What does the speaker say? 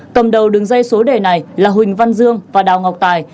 cầm đầu đường dây số đề này là huỳnh văn dương và đào ngọc tài